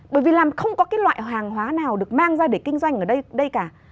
bởi vì làm không có cái loại hàng hóa nào được mang ra để kinh doanh ở đây cả